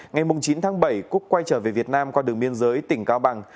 ngày chín tháng bảy cúc quay trở về việt nam qua đường biên giới tỉnh cao bằng